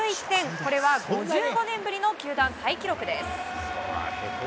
これは５５年ぶりの球団タイ記録です。